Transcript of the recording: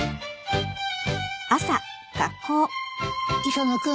磯野君